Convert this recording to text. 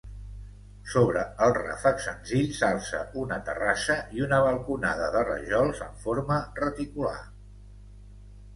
Sobre el ràfec senzill s'alça una terrassa i una balconada de rajols en forma reticular.